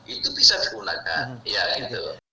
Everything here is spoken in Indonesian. itu bisa digunakan